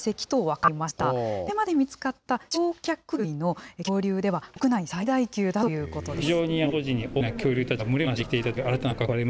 これまで見つかった鳥脚類の恐竜では、国内最大級だということです。